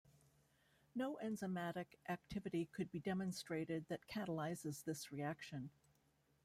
No enzymatic activity could be demonstrated that catalyzes this reaction.